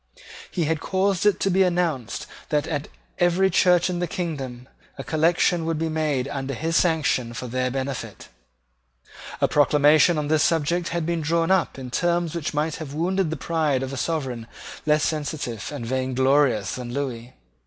He had caused it to be announced that, at every church in the kingdom, a collection would be made under his sanction for their benefit. A proclamation on this subject had been drawn up in terms which might have wounded the pride of a sovereign less sensitive and vainglorious than Lewis.